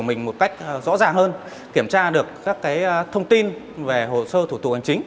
mình một cách rõ ràng hơn kiểm tra được các thông tin về hồ sơ thủ tục hành chính